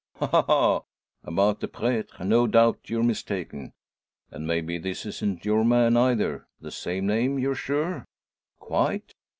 "Ha ha ha! About the pretre, no doubt you're mistaken. And maybe this isn't your man, either. The same name, you're sure!" "Quite.